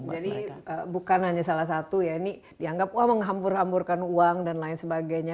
jadi bukan hanya salah satu ya ini dianggap wah menghambur hamburkan uang dan lain sebagainya